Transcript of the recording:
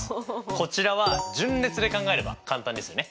こちらは順列で考えれば簡単ですよね。